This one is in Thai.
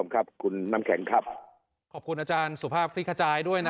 ครับคุณน้ำแข็งครับขอบคุณอาจารย์สุภาพคลิกขจายด้วยนะ